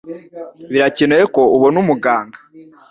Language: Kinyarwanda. Birakenewe ko ubona muganga.